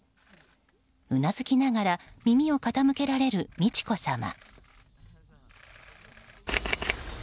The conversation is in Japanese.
うなずきながら耳を傾けられる美智子さま。